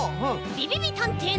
びびびたんてい